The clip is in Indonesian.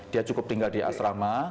dia cukup tinggal di asrama